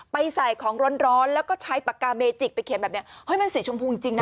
ใส่ของร้อนแล้วก็ใช้ปากกาเมจิกไปเขียนแบบนี้เฮ้ยมันสีชมพูจริงนะ